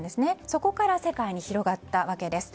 そこから世界に広がったわけです。